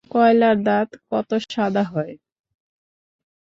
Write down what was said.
কয়লায় দাঁত কত সাদা হয়!